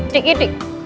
tik tik tik